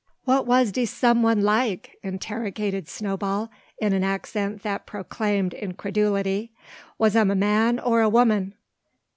"What was de some one like?" interrogated Snowball, in an accent that proclaimed incredulity. "Was 'um a man or a woman?"